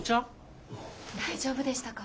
大丈夫でしたか？